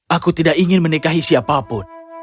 aku tidak ingin menikahi siapapun